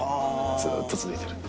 ずっと続いてる。